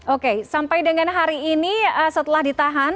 oke sampai dengan hari ini setelah ditahan